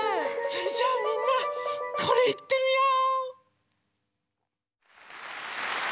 それじゃあみんなこれいってみよう！